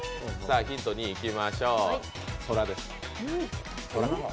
ヒント２いきましょう、空です。